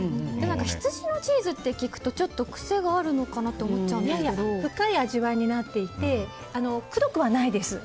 ヒツジのチーズって聞くとちょっと癖があるのかなと深い味わいになっていてくどくはないです。